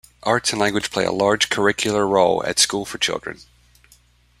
Arts and language play a large curricular role at School for Children.